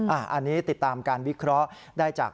อันนี้ติดตามการวิเคราะห์ได้จาก